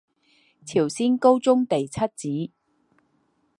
朝鲜高宗第七子。